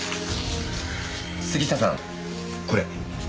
杉下さんこれ！